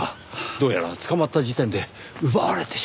どうやら捕まった時点で奪われてしまったようです。